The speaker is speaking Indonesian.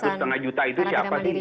satu setengah juta itu siapa sih